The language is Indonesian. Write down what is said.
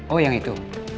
oh yang itu